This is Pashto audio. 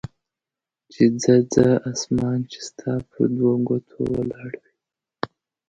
چې ځه ځه اسمان چې ستا پر دوه ګوتې ولاړ وي.